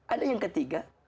ada yang ketiga